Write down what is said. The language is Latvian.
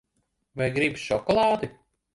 Vai gribi šokolādi?